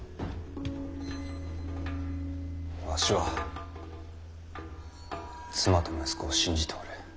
わしは妻と息子を信じておる。